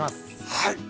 はい。